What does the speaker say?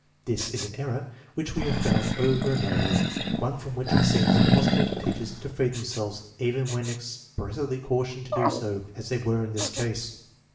This is an error which we have found over and over, one from which it seems impossible for teachers to free themselves even when expressly cautioned to do so, as they were in this case.